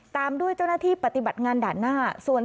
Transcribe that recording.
ตามด้วยเจ้าหน้าที่ปฏิบัติงานด่านหน้า